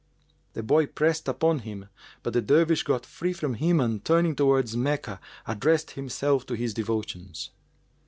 The boy pressed upon him, but the Dervish got free from him and turning towards Meccah addressed himself to his devotions.